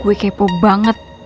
gue kepo banget